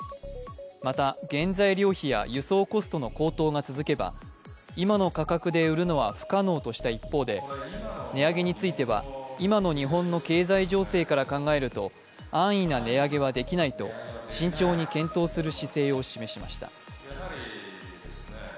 また、原材料費や輸送コストの高騰が続けば今の価格で売るのは不可能とした一方で、値上げについては、今の日本の経済情勢から考えると安易な値上げはできないと慎重に検討する姿勢を示しました。